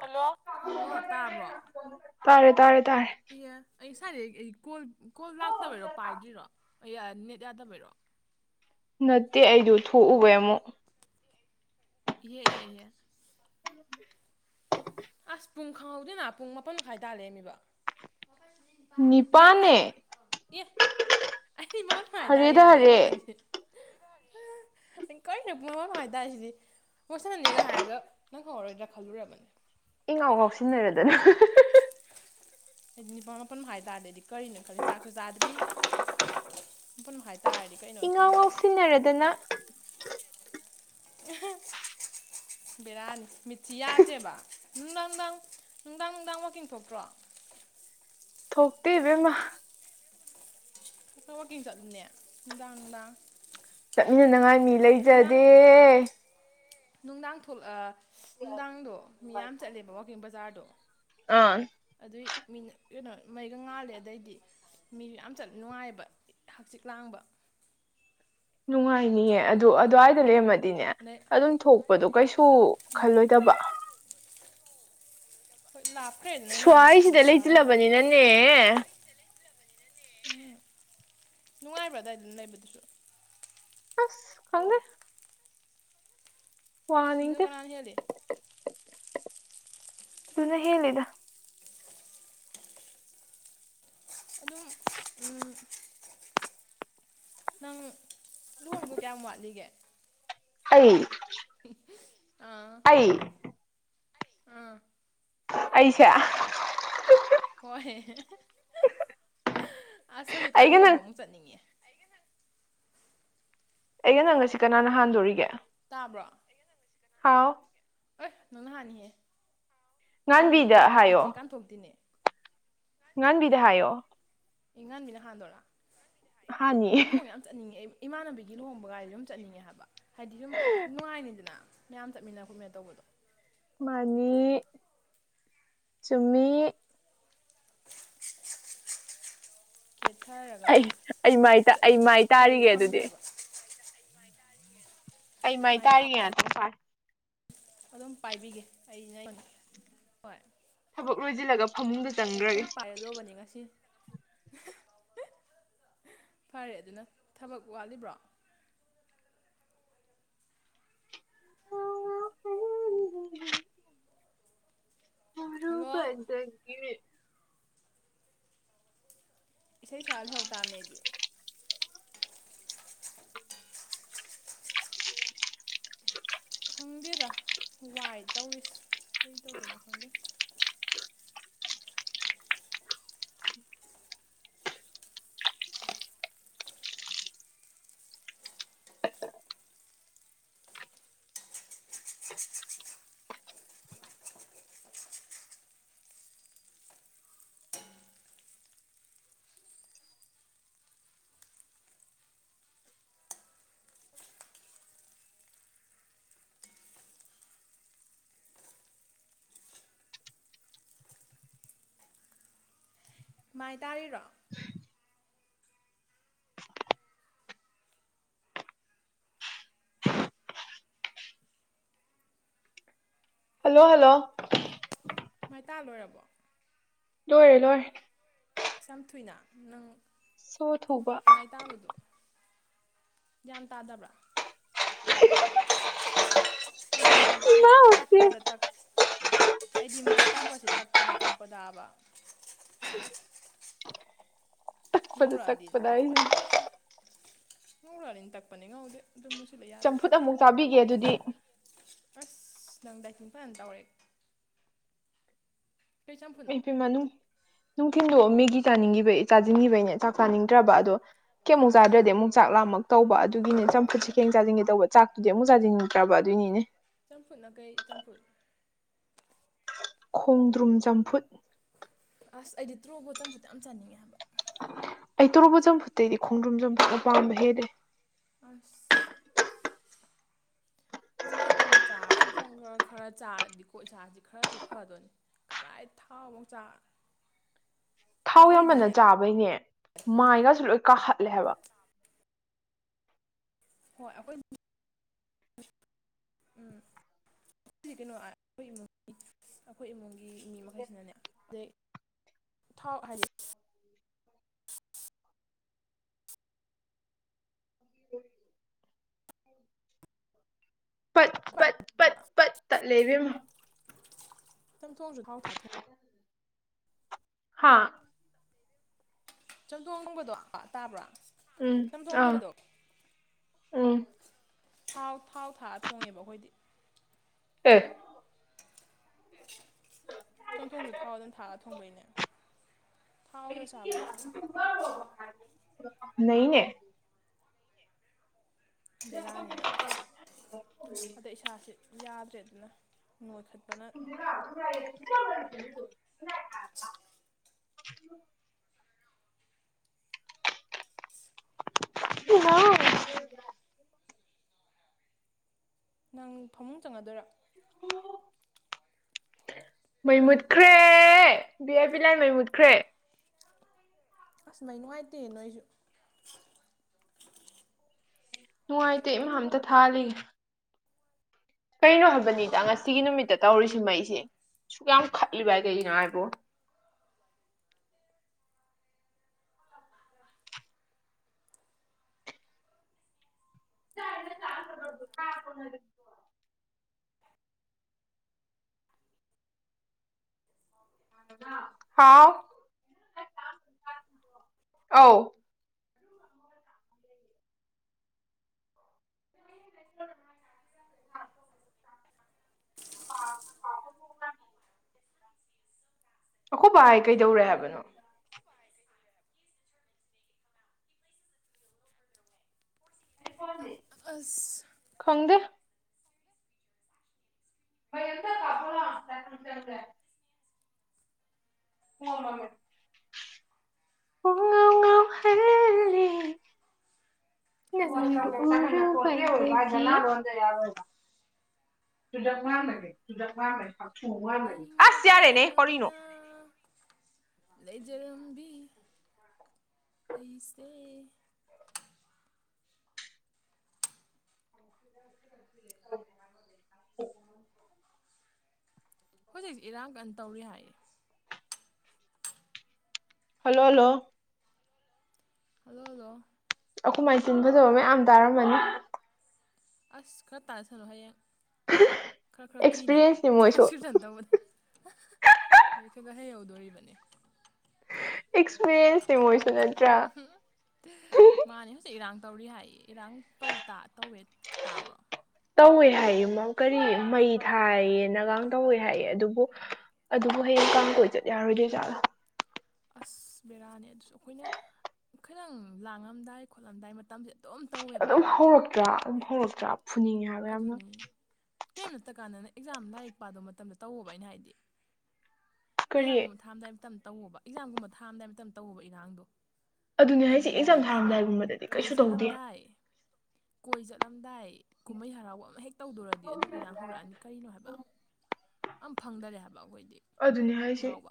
hello hello ꯇꯥꯕ꯭ꯔꯣ ꯇꯥꯔꯦ ꯇꯥꯔꯦ ꯏꯌꯦ ꯑꯩ ꯁꯥꯏꯗꯩ ꯑꯩ ꯀꯣꯜ ꯀꯣꯜ ꯂꯥꯛꯇꯕꯩꯔꯣ ꯄꯥꯏꯗ꯭ꯔꯤꯔꯣ ꯑꯩ ꯑ ꯅꯦꯠ ꯌꯥꯗꯕꯩꯔꯣ ꯅꯠꯇꯦ ꯑꯩꯗꯨ ꯊꯣꯛꯎꯕꯩ ꯑꯃꯨꯛ ꯏꯍꯦ ꯏꯍꯦ ꯏꯍꯦ ꯑꯁ ꯄꯨꯡ ꯈꯪꯍꯧꯗꯦꯅ ꯄꯨꯡ ꯃꯥꯄꯟ ꯃꯈꯥꯏ ꯇꯥꯔ ꯂꯩꯔꯝꯃꯤꯕ ꯅꯤꯄꯥꯟ ꯅꯤꯄꯥꯟ ꯃꯈꯥꯏꯔꯣ ꯅꯤꯄꯥꯟꯅꯦ ꯑꯦ ꯑꯩꯗꯤ ꯃꯄꯟ ꯃꯈꯥꯏ ꯍꯔꯦꯗ ꯇꯥꯔꯦꯁꯤꯅꯦ ꯑꯩ ꯍꯔꯦ ꯋꯥꯈꯟꯁꯦ [unintelligible] ꯑꯩ ꯀꯩꯅꯣ ꯄꯨꯡ ꯃꯄꯜꯃꯈꯥꯏ ꯇꯥꯔꯦ ꯁꯤꯅꯤ ꯋꯥꯏ ꯁꯅꯥꯅꯤ ꯒꯥ ꯍꯥꯏꯔꯒꯥ ꯅꯪꯍꯧꯔꯔꯣꯏꯗ꯭ꯔꯥ ꯈꯜꯂꯨꯔꯕꯅꯤ ꯏꯪꯉꯥꯎ ꯉꯥꯎꯁꯤꯟꯅꯔꯗꯅ ꯅꯤꯄꯥꯥꯟ ꯃꯥꯄꯟ ꯃꯈꯥꯏ ꯇꯥꯔꯗꯤ ꯑꯩꯗꯤ ꯀꯔꯤꯅꯣ ꯈꯜꯂꯤ ꯆꯥꯛꯁꯨ ꯆꯥꯗ꯭ꯔꯤ ꯃꯥꯄꯟ ꯃꯈꯥꯏ ꯇꯥꯔꯗꯤ ꯀꯩꯅꯣ ꯏꯉꯥꯎ ꯈꯜꯂꯨꯔꯕꯅꯤ [unintelligible] [unintelligible] ꯚꯦꯔꯥꯅꯤ ꯃꯤꯠꯁꯤ ꯌꯥꯗ꯭ꯔꯦꯕ ꯅꯨꯡꯗꯥꯡ ꯅꯨꯡꯗꯥꯡ ꯅꯨꯡꯗꯥꯡ ꯅꯨꯡꯗꯥꯡ ꯋꯥꯛꯀꯤꯡ ꯊꯣꯛꯇ꯭ꯔꯣ ꯊꯣꯛꯇꯦ ꯏꯕꯦꯝꯃ ꯈꯈꯔꯥ ꯋꯥꯛꯀꯤꯡ ꯆꯠꯂꯨꯅꯦ ꯅꯨꯡꯗꯥꯡ ꯅꯨꯡꯗꯥꯡ ꯆꯠꯃꯤꯟꯅꯅꯉꯥꯏ ꯃꯤ ꯅꯨꯡꯗꯥꯡ ꯂꯩꯖꯗꯦ ꯅꯨꯡꯗꯥꯡ ꯊꯣꯛꯑ ꯅꯨꯡꯗꯥꯡꯗꯣ ꯃꯤ ꯌꯥꯝ ꯆꯠꯂꯦꯕ ꯋꯥꯋꯥꯛꯀꯤꯡ ꯕꯖꯥꯔꯗꯣ ꯑꯥ ꯑꯗꯨꯏ ꯃꯤꯅ ꯀꯩꯅꯣ ꯃꯩꯒ ꯉꯥꯜꯂꯦ ꯑꯗꯩꯗꯤ ꯃꯤꯁꯨ ꯌꯥꯝ ꯆꯠ ꯅꯨꯡꯉꯥꯏꯑꯦꯕ ꯍꯛꯆꯤꯛ ꯂꯥꯡꯕ ꯅꯨꯡꯉꯥꯏꯅꯤꯌꯦ ꯑꯗꯨ ꯑꯗꯨꯋꯥꯏꯗ ꯂꯩꯔꯝꯃꯗꯤꯅꯦ ꯑꯗꯩ ꯑꯗꯨꯝ ꯊꯣꯛꯄꯗꯣ ꯀꯩꯁꯨ ꯎꯝ ꯈꯜꯂꯣꯏꯗꯕ ꯍꯣꯏ ꯂꯥꯛꯈ꯭ꯔꯦꯗ ꯅꯣꯏꯅ ꯑꯃꯨꯛ ꯁ꯭ꯋꯥꯏꯁꯤꯗ ꯑꯃꯨꯛ ꯈꯔ ꯍꯧꯖꯤꯛ ꯂꯩꯁꯤꯜꯂꯕꯅꯤꯅꯅꯦ ꯎꯝ ꯅꯨꯡꯉꯥꯏꯕ꯭ꯔꯥ ꯑꯗꯨꯋꯥꯏꯗ ꯂꯩꯕꯗꯨꯁꯨ ꯑꯁ ꯈꯪꯗꯦ ꯋꯥ ꯁꯤꯒ ꯉꯥꯡꯅꯤꯡꯗꯦ ꯀꯅꯥꯅ ꯍꯦꯜꯂꯤ ꯑꯗꯨꯅ ꯍꯦꯟꯂꯤꯗ ꯑꯗꯨꯝ ꯎꯝ ꯅꯪ ꯂꯨꯍꯣꯡꯗꯧ ꯀꯌꯥꯝ ꯋꯥꯠꯂꯤꯒꯦ ꯑꯩ ꯑꯥ ꯑꯩ ꯑꯥ ꯑꯩꯁꯦ ꯍꯣꯏ ꯑꯁ ꯍꯧꯖꯤꯀꯥꯟ ꯑꯩꯒ ꯅꯪ ꯂꯨꯍꯣꯡꯕ ꯑꯃꯨꯛ ꯆꯠꯅꯤꯡꯉꯦ ꯑꯩꯩꯒ ꯅꯪꯒꯁꯦ ꯀꯅꯥꯅ ꯍꯥꯟꯗꯨꯔꯤꯒꯦ ꯇꯥꯕ꯭ꯔꯣ ꯍꯥꯎ ꯑꯦ ꯅꯪꯅ ꯍꯥꯟꯅꯤꯍꯦ ꯑꯩ ꯉꯥꯟꯕꯤꯗ ꯑꯩꯗꯤ ꯏꯆꯦ ꯀꯥꯟꯊꯣꯛꯇꯨꯢꯅꯦ ꯉꯥꯡꯕꯤꯗ ꯍꯥꯏꯌꯣ ꯑꯦ ꯉꯥꯟꯕꯤꯅ ꯍꯥꯟꯗꯣꯔꯥ [inaudible] ꯍꯥꯟꯅꯤ ꯑꯗꯨ ꯌꯥꯝ ꯆꯠꯅꯤꯡꯉꯦ ꯑꯩ ꯏꯃꯥꯟꯅꯕꯤꯒꯤ ꯂꯨꯍꯣꯡꯕ ꯒꯥꯢꯗꯨ ꯑꯗꯨꯝ ꯆꯠꯅꯤꯡꯉꯦ ꯍꯥꯏꯕ ꯍꯥꯏꯗꯤ ꯁꯨꯝ ꯅꯨꯡꯉꯥꯏꯅꯤꯗꯅ ꯃꯌꯥꯝ ꯆꯠꯃꯤꯟꯅ ꯈꯣꯠꯃꯥꯟꯅ ꯇꯧꯕꯗꯣ ꯃꯥꯅꯤ ꯆꯨꯝꯃꯤ ꯀꯦꯊꯥꯔꯒ ꯑꯩ ꯑꯩ ꯃꯥꯏ ꯑꯩ ꯆꯠꯅꯤꯡꯉꯦꯕ ꯃꯥꯏ ꯀꯦꯕ ꯇꯥꯔꯤꯒꯦ ꯑꯗꯨꯗꯤ ꯐꯪꯗ꯭ꯔꯦꯕ ꯑꯩ ꯃꯥꯏ ꯇꯥꯔꯤꯌꯦ [inaudible] ꯑꯩ ꯃꯥꯏ ꯇꯥꯔꯤꯌꯦ ꯉꯥꯛꯇꯪ ꯄꯥꯏꯌꯨ ꯑꯗꯨꯝ ꯄꯥꯏꯕꯤꯒꯦ ꯑꯩꯩꯅ ꯑꯩꯅ ꯍꯣꯏ ꯊꯕꯛ ꯂꯣꯏꯁꯤꯜꯂꯒ ꯐꯃꯨꯡꯗ ꯑꯩ ꯑꯗꯨꯝ ꯆꯪꯈ꯭ꯔꯒꯦ ꯄꯥꯏꯒꯗꯧꯕꯅꯤ ꯉꯁꯤ ꯐꯔꯦ ꯑꯗꯨꯅ ꯊꯕꯛ ꯋꯥꯠꯂꯤꯕ꯭ꯔꯣ [inaudible] ꯍꯜꯂꯣ ꯎꯔꯨꯕꯗꯒꯤ [inaudible] ꯏꯁꯩ ꯁꯛꯑ ꯂꯩꯍꯧꯇꯥꯥꯕꯅꯤ ꯑꯩꯗꯤ ꯈꯪꯗꯦꯗ ꯋꯥꯏ ꯇꯧꯔꯤꯁꯦ ꯀꯩ ꯇꯧꯗꯣꯏꯅꯣ ꯈꯪꯗꯦ ꯃꯥꯏ ꯇꯥꯔꯤꯔꯣ ꯍꯜꯂꯣ ꯍꯜꯂꯣ ꯃꯥꯏ ꯇꯥ ꯂꯣꯏꯔꯕꯣ ꯂꯣꯏꯔꯦ ꯂꯣꯏꯔꯦ ꯑꯁ ꯌꯥꯝ ꯊꯨꯏꯅ ꯅꯪ ꯁꯣ ꯊꯨꯕ ꯃꯥꯏ ꯇꯥꯕꯗꯣ ꯌꯥꯝ ꯇꯥꯗꯕ꯭ꯔꯥ ꯑꯩꯗꯤ ꯃꯥꯏ ꯇꯥꯕꯁꯦ ꯍꯦꯛꯇ ꯇꯥꯛꯄꯗ ꯇꯥꯛꯄ ꯑꯩꯗꯤ ꯃꯥꯏ ꯇꯥꯕꯁꯦ ꯇꯥꯛꯄꯗ ꯇꯥꯛꯄ ꯇꯕ ꯈꯣꯏꯗ ꯉꯧꯔꯛꯑꯗꯤꯅ ꯇꯛꯄꯗ ꯑꯩꯁꯦ ꯇꯛꯄꯅꯦ ꯉꯧꯔꯛꯑꯗꯤꯅ ꯇꯥꯛꯄꯅꯦ ꯉꯧꯗꯦ ꯑꯗꯨꯝ ꯃꯨꯁꯤꯂꯦ ꯆꯝꯐꯨꯠ ꯑꯃꯨꯛ ꯆꯥꯕꯤꯒꯦ ꯑꯗꯨꯗꯤ ꯑꯁ ꯅꯪ ꯗꯥꯏꯇꯤꯡ ꯐꯅ ꯇꯧꯔꯦ ꯀꯩ ꯆꯝꯐꯨꯠꯅꯣ ꯑꯩꯗꯤ [unintelligible] ꯅꯨꯡꯊꯤꯟꯗꯣ ꯃꯦꯒꯤ ꯆꯥꯅꯤꯡꯒꯤꯕꯩ ꯆꯥꯖꯤꯟꯈꯤꯕꯒꯤꯅꯦ ꯆꯥꯛ ꯆꯥꯅꯤꯡꯗ꯭ꯔꯕ ꯑꯗꯣ ꯀꯦꯃꯨꯛ ꯎꯝꯍꯥ ꯆꯥꯗ꯭ꯔꯗꯤ ꯑꯃꯨꯛꯥ ꯆꯥꯛ ꯂꯥꯝꯃꯛꯇ‌ꯣꯕ ꯑꯗꯨꯒꯤꯅꯦ ꯆꯝꯐꯨꯠꯁꯤ ꯎꯝ ꯈꯦꯡ ꯆꯥꯁꯤꯟꯒꯦ ꯇꯧꯕ ꯆꯥꯛꯇꯨꯗꯤ ꯑꯃꯨꯛ ꯆꯥꯖꯤꯟꯅꯤꯡꯗ꯭ꯔꯕ ꯑꯗꯨꯏꯅꯤꯅꯦ ꯆꯝꯐꯨꯠꯅ ꯀꯨ ꯆꯝꯐꯨꯠ ꯈꯣꯡꯗ꯭ꯔꯨꯝ ꯆꯝꯐꯨꯠ ꯑꯁ ꯑꯩꯗꯤ ꯇ꯭ꯔꯣꯕꯣꯠ ꯆꯝꯐꯨꯠꯇꯨ ꯌꯥꯝ ꯆꯥꯅꯤꯡꯉꯦ ꯍꯥꯏꯕ ꯑꯩ ꯇꯣꯔꯣꯕꯣꯠ ꯆꯝꯐꯨꯠꯇꯩꯗꯤ ꯈꯣꯡꯗ꯭ꯔꯨꯝ ꯆꯝꯐꯨꯠꯅ ꯄꯥꯝꯕ ꯍꯦꯜꯂꯦ ꯑꯥꯁ ꯆꯝꯐꯨꯠꯀꯨꯝꯕ ꯆꯥꯔ ꯆꯝꯊꯣꯡ ꯈꯔ ꯈꯔ ꯆꯥꯔꯗꯤꯀꯣ ꯏꯁꯥꯁꯤ ꯈꯔꯁꯨ ꯐꯗꯣꯏꯅꯤ ꯀꯔꯥꯏ ꯊꯥꯎ ꯃꯨꯛ ꯆꯥ ꯊꯥꯎ ꯌꯥꯝꯃꯟꯅ ꯑꯩꯈꯣꯏꯗꯤꯅꯦ ꯆꯥꯕꯩꯅꯦ ꯃꯥꯏꯒꯁꯦ ꯂꯣꯏ ꯀꯥꯍꯠꯂꯦ ꯍꯥꯏꯕ ꯍꯣꯏ ꯑꯩꯈꯣꯏ ꯎꯨꯝ ꯀꯩꯅꯣ [unintelligible] ꯃꯨꯡꯒꯤ ꯑꯩꯈꯣꯏ ꯏꯃꯨꯡꯒꯤ ꯃꯤ ꯃꯈꯩꯁꯤꯅꯅꯦ ꯑꯗꯩ ꯊꯥꯎ ꯍꯥꯏꯗꯤ ꯄꯠ ꯄꯠ ꯄꯠ ꯄꯠ ꯇꯠꯂꯦ ꯏꯕꯦꯝꯃ ꯆꯝꯊꯣꯡꯁꯨ ꯊꯥꯎ ꯊꯥꯛꯑ ꯊꯣꯡ ꯍꯥꯥ ꯆꯝꯊꯣꯡ ꯊꯣꯡꯕꯗꯣ ꯇꯥꯕ꯭ꯔꯥ ꯎꯝ ꯆꯝꯊꯣꯡ ꯑꯥ ꯊꯣꯡꯕꯗꯣ ꯎꯝ ꯊꯥꯎ ꯊꯥꯎ ꯊꯥꯛꯑ ꯊꯣꯡꯉꯦꯕ ꯑꯩꯈꯣꯏꯗꯤ ꯑꯦ ꯆꯝꯊꯣꯡꯁꯨ ꯊꯥꯎ ꯑꯗꯨꯝ ꯊꯥꯛꯑꯒ ꯊꯣꯡꯕꯩꯅꯦ ꯊꯥꯎꯗ ꯆꯥꯕꯗ ꯅꯩꯅꯦ ꯕꯦꯔꯥꯅꯤꯅ ꯑꯗꯩ ꯏꯁꯥꯁꯤ ꯌꯥꯗ꯭ꯔꯦ ꯑꯗꯨꯅ ꯅꯣꯏꯈꯠꯄꯅ ꯔꯨꯔ ꯊꯣ [inaudible] [unintelligible] ꯏꯃꯥ ꯅꯪ ꯐꯃꯨꯡ ꯆꯪꯉꯗꯣꯏꯔꯥ ꯍꯥ [inaudible] ꯃꯩ ꯃꯨꯠꯈ꯭ꯔꯦ ꯕꯤꯑꯥꯏꯄꯤ ꯂꯥꯏ ꯃꯩ ꯃꯨꯠꯈ꯭ꯔꯦ ꯑꯁ ꯃꯩ ꯅꯨꯡꯉꯥꯏꯇꯦ ꯅꯣꯏꯁꯨ ꯅꯨꯡꯉꯥꯏꯇꯦ ꯏꯃꯥ ꯑꯝꯇ ꯊꯥꯜꯂꯤꯒꯦ ꯀꯩꯅꯣ ꯍꯥꯏꯕꯅꯤꯗ ꯉꯁꯤꯒꯤ ꯅꯨꯃꯤꯠꯇ ꯇꯧꯔꯤꯁꯤ ꯃꯩꯁꯦ ꯁꯨꯛ ꯌꯥꯝ ꯈꯠꯂꯤꯕꯥꯏ ꯀꯩꯒꯤꯅꯣ ꯑꯥꯏꯕꯨ ꯆꯥ ꯀ [inaudible] ꯍꯥꯎ ꯑꯧ [unintelligible] ꯍ [inaudible] ꯑꯈꯣꯕ ꯕꯥꯑꯥꯏ ꯀꯩꯗꯧꯔꯦ ꯍꯥꯏꯕꯅꯣ ꯑꯈꯣꯕꯥ ꯔꯥꯏ ꯀꯩꯗꯧꯔꯦ ꯍꯥꯏꯕꯅꯣ [unintelligible] ꯑꯥꯁ ꯈꯪꯗꯦ ꯃꯩ ꯑꯝꯇ ꯀꯥꯞꯄꯣꯂꯥꯎ [unintelligible] ꯄꯨꯡꯃꯝ ꯃꯝꯃꯦ ꯉꯥꯎꯍꯜꯂꯤ ꯐꯖꯩ ꯌꯥ ꯑꯗꯨꯅ [inaudible] [unintelligible] ꯏꯉꯥꯎꯇ ꯌꯥꯔꯦꯅꯦ ꯀꯔꯤꯅꯣ ꯉꯥꯎꯅ [unintelligible] ꯂꯩꯖꯔꯝꯕꯤ ꯑꯩꯁꯦ [unintelligible] [inaudible] ꯍꯧꯖꯤꯛꯁꯤ ꯏꯔꯥꯡ ꯀꯟ ꯇꯧꯔꯤ ꯍꯥꯏꯌꯦ ꯍꯜꯂꯣ ꯍꯜꯂꯣ ꯍꯜꯂꯣ ꯍꯜꯂꯣ ꯑꯩꯈꯣꯏ ꯃꯥꯏ ꯇꯨꯟꯗ ꯇꯧꯔꯝꯅꯤꯅ ꯑꯌꯥꯝ ꯇꯥꯔꯝꯃꯅꯤ ꯑꯁ ꯈꯔ ꯇꯥꯁꯜꯂꯣ ꯍꯌꯦꯡ ꯈꯔ ꯈꯔ ꯀꯤꯅꯕ ꯑꯦꯛꯁꯄꯤꯔꯤꯌꯦꯟꯁꯅꯤ ꯃꯣꯏꯁꯨ ꯀꯥꯁꯨꯂꯟꯗꯧꯕꯅꯦ ꯃꯍꯩ ꯈ ꯒ ꯍꯩꯍꯧꯗꯣꯔꯤꯕꯅꯦ ꯑꯦꯛꯁꯄꯤꯔꯤꯌꯦꯟꯁ ꯅꯦ ꯃꯣꯏꯁꯨꯅꯦ ꯑꯍꯥ [unintelligible] ꯃꯥꯅꯦ ꯍꯧꯖꯤꯛ ꯏꯔꯥꯡ ꯇꯧꯔꯤ ꯍꯥꯏ ꯏꯔꯥꯡ ꯇꯧ ꯇꯥ ꯇꯧꯋꯦ ꯇꯥꯕ꯭ꯔꯣ ꯇꯧꯋꯦ ꯍꯥꯏꯌꯦ ꯀꯔꯤ ꯃꯩ ꯊꯥꯏꯌꯦꯅꯒꯥꯡ ꯇꯧꯋꯦ ꯍꯥꯏꯌꯦ ꯑꯗꯨꯕꯨ ꯑꯗꯨꯕꯨ ꯍꯌꯦꯡ ꯀꯥꯡ ꯀꯣꯏ ꯆꯠ ꯌꯥꯔꯣꯏꯗꯣꯏ ꯖꯥꯠꯂ ꯑꯁ ꯕꯦꯔꯥꯅꯦ ꯑꯗꯨꯁꯨ ꯑꯩꯈꯣꯏꯅ ꯈꯤꯇꯪ ꯂꯥꯡꯉꯝꯗꯥꯏ ꯈꯣꯠꯂꯝꯗꯥꯏ ꯃꯇꯝꯁꯦ ꯗꯨꯝꯇꯧꯋꯦ ꯑꯗꯨꯝ ꯍꯧꯔꯛꯇ꯭ꯔꯥ ꯑꯗꯨꯝ ꯍꯧꯔꯛꯇ꯭ꯔꯥ ꯐꯨꯅꯤꯡꯉꯦ ꯍꯥꯏꯕ ꯌꯥꯝꯅ ꯑꯗꯨꯅꯦ ꯀꯔꯤꯝ ꯅꯇ ꯀꯥꯟꯗꯅ ꯑꯦꯛꯖꯥꯝ ꯂꯥꯏꯔꯤꯛ ꯄꯥꯗꯧ ꯃꯇꯝꯗ ꯇꯧꯋꯣꯕ ꯑꯩꯅ ꯍꯥꯏꯗꯤ ꯀꯔꯤ ꯑꯦꯛꯖꯥꯝꯒꯨꯝꯕ ꯊꯥꯔꯝꯗꯥꯏ ꯃꯇꯝ ꯇꯧꯑꫭꯕ ꯑꯦꯛꯖꯥꯝꯒꯨꯝꯕ ꯊꯥꯔꯝꯗꯥꯏ ꯃꯇꯝ ꯇꯧꯑꫭꯕ ꯏꯔꯥꯡꯗꯣ ꯑꯗꯨꯅꯦ ꯍꯥꯏꯁꯦ ꯑꯗꯨꯗꯤ ꯑꯦꯛꯖꯥꯝ ꯅꯠꯇꯦꯕ ꯊꯥꯔꯝꯗꯥꯏꯒꯨꯝꯕꯗꯗꯤ ꯀꯣꯏ ꯀꯩꯁꯨ ꯇꯧꯗꯦ ꯆꯠꯂꯝꯗꯥꯏ ꯀꯣꯏ ꯆꯠꯂꯝꯗꯥꯏ ꯀꯨꯝꯍꯩ ꯍꯔꯥꯎꯕ ꯑꯃ ꯍꯦꯛ ꯇꯧꯗꯧꯔꯗꯤ ꯑꯗꯨꯝ ꯏꯔꯥꯡ ꯍꯧꯔꯛꯑꯅꯤ ꯀꯔꯤꯅꯣ ꯍꯥꯏꯕ ꯑꯝ ꯐꯪꯗꯔꯦ ꯍꯥꯏꯕ ꯑꯩꯈꯣꯏꯗꯤ ꯑꯗꯨꯅꯤ ꯍꯥꯏꯁꯤ ꯌꯥꯎꯕ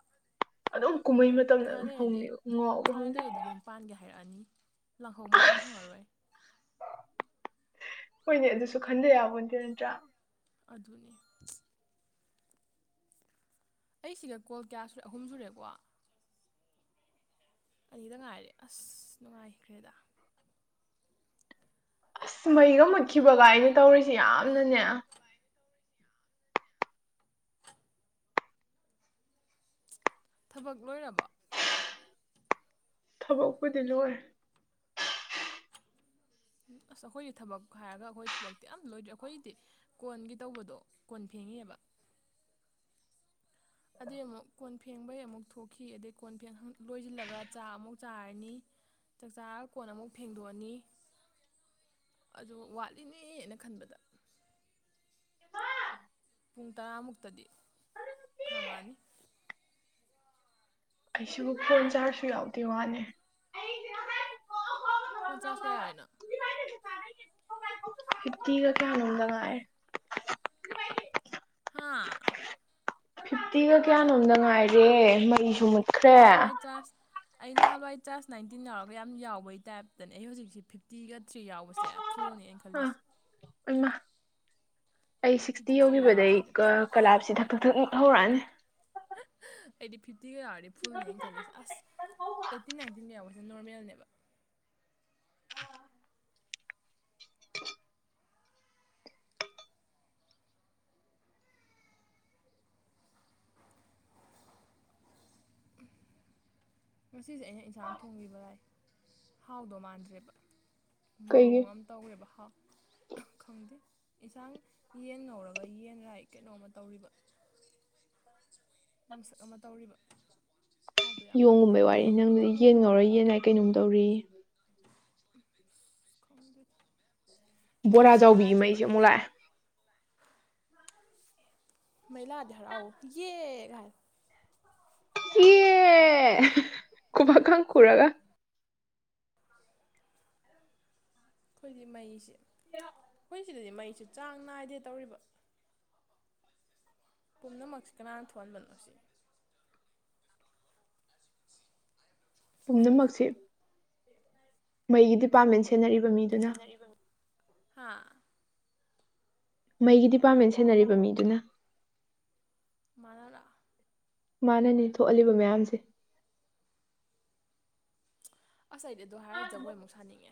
ꯑꯗꯨꯝ ꯀꯨꯝꯍꯩ ꯃꯇꯝꯗ ꯑꯗꯨꯝ ꯍꯧꯅꯤꯕ ꯉꯥꯎꯕ ꯈꯪꯗꯦ ꯄꯥꯟꯒꯤ ꯍꯥꯏꯔꯛꯑꯅꯤ ꯂꯥꯡꯍꯧ ꯃꯇꯝ ꯐꯪꯉꯔꯣꯏ ꯍꯣꯏꯅꯦ ꯑꯗꯨꯁꯨ ꯈꯟꯗ ꯌꯥꯄꯣꯟꯇꯦ ꯅꯠꯇ꯭ꯔꯥ ꯑꯗꯨꯅꯦ ꯑꯩ ꯁꯤꯒ ꯀꯣꯜ ꯀꯌꯥ ꯁꯨꯔꯦ ꯑꯍꯨꯝ ꯁꯨꯔꯦꯀꯣ ꯑꯅꯤꯗ ꯉꯥꯏꯔꯦ ꯑꯁ ꯅꯨꯡꯉꯥꯏꯈ꯭ꯔꯦꯗ ꯑꯁ ꯃꯩꯒ ꯃꯨꯠꯈꯤꯕꯒ ꯑꯩꯅ ꯇꯧꯔꯤꯁꯦ ꯌꯥꯝꯅꯅꯦ ꯊꯕꯛ ꯂꯣꯏꯔꯕꫭ ꯊꯕꯛꯄꯨꯗꯤ ꯂꯣꯏꯔꯦ ꯑꯁ ꯑꯩꯈꯣꯏꯒꯤ ꯊꯕꯛ ꯍꯥꯏꯔꯒ ꯑꯩꯈꯣꯏ ꯊꯕꯛꯇꯤ ꯑꯝ ꯂꯣꯏꯗ꯭ꯔꯤ ꯑꯩꯈꯣꯏꯗꯤ ꯀꯣꯟꯒꯤ ꯇꯧꯕꯗꯣ ꯀꯣꯟ ꯐꯦꯡꯉꯤꯑꯦꯕ ꯑꯗꯨꯏ ꯑꯃꯨꯛ ꯀꯣꯟ ꯐꯦꯡꯕꯩ ꯑꯃꯨꯛ ꯊꯣꯛꯈꯤ ꯑꯗꯩ ꯀꯣꯟ ꯐꯦꯡ ꯂꯣꯏꯁꯤꯜꯂꯒ ꯆꯥꯛ ꯑꯃꯨꯛ ꯆꯥꯔꯅꯤ ꯆꯥꯛꯆꯥꯔ ꯀꯣꯟ ꯑꯃꯨꯛ ꯐꯦꯡꯗꯣꯛꯑꯅꯤ ꯑꯗꯨ ꯋꯥꯠꯂꯤꯅꯦꯅ ꯈꯟꯕꯗ ꯄꯨꯡ ꯇꯔꯥꯃꯨꯛꯇꯗꯤ ꯈꯥꯡꯉꯥꯑꯅꯤ ꯑꯩꯁꯨ ꯐꯣꯟ ꯆꯥꯔꯁꯨ ꯌꯥꯎꯗꯦ ꯋꯥꯅꯤ ꯐꯣꯟ ꯆꯥꯔꯖ ꯀꯌꯥ ꯌꯥꯎꫪꯤꯅꫭ ꯐꯤꯞꯇꯤꯒ ꯀꯌꯥ ꯅꫭꯝꯗ ꯉꯥꯏꯔꯦ ꯍꯥꯥ ꯐꯤꯐꯇꯤꯒ ꯀꯌꯥꯅꯣꯝꯗ ꯉꯥꯏꯔꯦ ꯃꯩꯁꯨ ꯃꯨꯠ ꯑꯩ ꯅꯍꯥꯜꯋꯥꯏ ꯆꯥꯥꯁ ꯑꯩ ꯅꯍꯥꯟꯋꯥꯏ ꯆꯥꯔꯖ ꯅꯥꯏꯟꯇꯤꯟ ꯌꯥꯎꯔꯒ ꯌꯥꯝ ꯌꯥꯎꯕꯩ ꯇꯥꯏꯞꯇꯅꯦ ꯑꯩ ꯍꯧꯖꯤꯛꯁꯦ ꯐꯤꯞꯇꯤꯒ ꯊ꯭ꯔꯤ ꯌꯥꯎꯕꯁꯦ ꯐꯨꯜꯅꯤ ꯑꯩꯅꯈꯜꯂꯤꯁꯤ ꯑꫭꯏꯃ ꯑꯩ ꯐꯤꯐꯇꯤ ꯁꯤꯛꯁꯇꯤ ꯊ꯭ꯔꯤꯒ ꯌꯧꯈꯤꯕꯗꯩ ꯌꯥꯎꯔꯁꯦ ꯑꯩꯗꯤ ꯐꯨꯜ ꯑꯩ ꯀꯂꯥꯞꯁꯤ ꯊꯛ ꯊꯛ ꯊꯛ ꯃꯨꯛ ꯍꯧꯔꯛꯑꯅꯤ ꯑꯩꯗꯤ ꯐꯤꯐꯇꯤꯒ ꯌꯥꯔꯗꯤ ꯐꯨꯜꯅꯤ ꯑꯩꯅ ꯈꯜꯂꯤꯁꯦ ꯑꯁ ꯑꯩꯠꯇꯤꯟ ꯅꯥꯏꯟꯇꯤꯟ ꯌꯥꯎꯕꯁꯦ ꯅꯣꯔꯃꯦꯜꯅꯦꯕ ꯉꯁꯤꯁꯦ ꯑꯩꯅ ꯏꯟꯁꯥꯡ ꯊꯣꯡꯕꯤꯕ ꯂꯥꯏ ꯍꯥꯎꯗꯧ ꯃꯥꯟꯗ꯭ꯔꯦꯕ ꯀꯩꯒꯤ ꯃꯑꯣꯡ ꯑꯃ ꯇꯧꯋꯦꯕ ꯍꯥꯎ ꯈꯪꯗꯦ ꯌꯦꯟꯁꯥꯡ ꯌꯦꯟ ꯉꯧꯔꯒ ꯌꯦꯟ ꯔꯥꯏ ꯀꯩꯅꯣꯝꯃ ꯇꯧꯔꯤꯕ ꯃꯤꯁꯛ ꯑꯃ ꯇꯧꯔꯤꯕ ꯍꯥꯎꯗꯣ ꯌꯥꯝ ꯌꯣꯡꯒꯨꯝꯕꯩ ꯃꯥꯟꯗ꯭ꯔꯤꯕ ꯑꯗꯨ ꯋꯥꯔꯤꯅꯤ ꯅꯪꯗꯨꯗꯤ ꯌꯦꯟ ꯉꯧꯔ ꯌꯦꯟ ꯔꯥꯏ ꯀꯩꯅꯣꯝ ꯇꯧꯔꯦ ꯌꯦ ꯈꯪꯗꯦꯗ ꯕꯣꯔꯥ ꯑꯩꯁꯤ ꯆꯥꯎꯕꯤꯒꯤ ꯌꯥꯗ꯭ꯔꯦꯕ ꯃꯩꯁꯦ ꯑꯃꯨꯛ ꯑꯩꯁ ꯂꯥꯛꯑꯦ ꯃꯩꯂꯥꯛ ꯑꯗꯤ ꯍꯔꯥꯎꯑꯣ ꯌꯦ ꯀꯥꯏꯅ ꯌ‌ꯦ ꯈꯨꯕꯥꯛꯀ ꯈꯨꯔꯒ ꯑꯩꯈꯣꯏꯗꯤ ꯃꯩꯁꯦ ꯑꯩꯈꯣꯏ ꯁꯤꯗꯗꯤ ꯃꯩꯁꯦ ꯆꯥꯡ ꯅꯥꯏꯗꯦ ꯇꯧꯔꯤꯕ ꯄꯨꯝꯅꯃꯛꯁꯤ ꯀꯅꯥꯅ ꯊꯣꯛꯍꯟꯕꯅꯣ ꯁꯤ ꯄꯨꯝꯅꯃꯛꯁꯦ ꯃꯩꯒꯤ ꯗꯤꯄꯥꯔꯠꯃꯦꯟ ꯁꯦꯟꯅꯔꯤ ꯁꯦꯟꯅꯔꯤꯕ ꯍꯥ ꯃꯩꯒꯤ ꯗꯤꯄꯥꯔꯠꯃꯦꯟ ꯁꯦꯟꯅꯔꯤꯕ ꯃꯤꯗꯨꯅ ꯃꯅꯥꯔꯥ ꯃꯥꯅꯅꯤ ꯊꯣꯛꯍꯜꯂꯤꯕ ꯃꯌꯥꯝꯁꯦ ꯑꯁ ꯑꯩꯗꯤ ꯑꯗꯨ ꯍꯥꯏꯔ ꯖꯒꯣꯏ ꯑꯃꯨꯛ ꯁꯥꯅꯤꯡꯉꯦ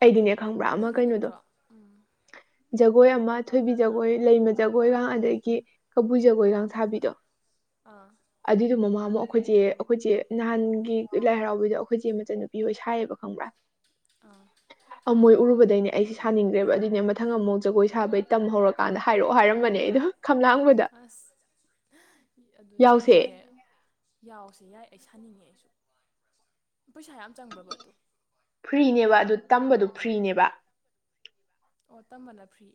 ꯑꯩꯗꯤꯅ‌ꯦ ꯖꯒꯣꯏ ꯁꯥꯅꯤꯡꯇ꯭ꯔꯣ ꯎꯝ ꯖꯒꯣꯏ ꯑꯃ ꯊꯣꯏꯕꯤ ꯖꯒꯣꯏ ꯂꯩꯃ ꯖꯒꯣꯏꯒ ꯑꯗꯒꯤ ꯀꯕꯨꯏ ꯑꯥ ꯖꯒꯣꯏꯒꯥꯡ ꯁꯥꯕꯤꯗꯣ ꯑꯥ ꯑꯗꯨꯏꯗꯣ ꯃꯃꯥꯟꯃꯨꯛ ꯑꯩꯈꯣꯏ ꯆ‌ꯦ ꯑꯩꯈꯣꯏ ꯆ‌ꯦ ꯅꯍꯥꯟꯒꯤ ꯂꯥꯏ ꯍꯔꯥꯎꯕꯩꯗꯣ ꯑꯩꯈꯣꯏ ꯆ‌ꯦ ꯃꯆꯟꯅꯨꯄꯤ ꯍ‌ꯣꯏ ꯁꯥꯏꯌꯦꯕ ꯈꯪꯕ꯭ꯔꯥ ꯑꯥ ꯃꯣꯏ ꯎꯔꯨꯕꯗꯩꯅꯦ ꯑꯩꯁ‌ꯦ ꯁꯥꯅꯤꯡꯒ‍꯭ꯔꯦꯕ ꯑꯗꯨꯏꯅꯦ ꯃ ꯃꯊꯪ ꯑꯃꯨꯛ ꯖꯒꯣꯏ ꯁꯥꯕꯩ ꯇꯝ ꯍꯧꯔꯛꯀꯥꯟꯗ ꯍꯥꯏꯔꯛꯑꯣ ꯍꯥꯏꯔꯝꯕꯅꯦ ꯑꯩꯗ‌ꯣ ꯑꯁ ꯑꯗꯨꯅ‌ꯦ ꯌꯥꯎꯁꯦ ꯑꯩꯗꯤꯅꯦ ꯌꯥꯎꯁꯦ ꯌꯥꯏ ꯑꯩ ꯁꯥꯅꯤꯡꯉꯦ ꯑꯩꯁꯨ ꯄꯩꯁꯥ ꯌꯥꯝ ꯆꯪꯕ꯭ꯔꯕ ꯑꯗꯨ ꯐ꯭ꯔꯤꯅꯦꯕ ꯑꯗꯨ ꯇꯝꯕꯗꯨ ꯐ꯭ꯔꯤꯅꯦꯕ ꯑꯣ ꯇꯝꯕꯅ ꯐ꯭ꯔꯤ